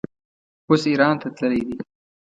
اوس ایران ته تللی دی.